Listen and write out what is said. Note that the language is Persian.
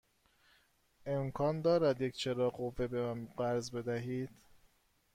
امکان دارد یک چراغ قوه به من قرض بدهید؟